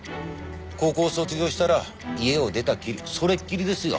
高校卒業したら家を出たっきりそれっきりですよ。